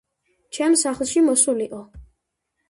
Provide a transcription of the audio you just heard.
ჩემ სახლში მოსულიყო.